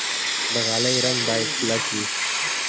د غالۍ رنګ باید کلک وي.